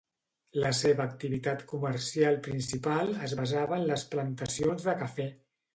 La seva activitat comercial principal es basava en les plantacions de cafè.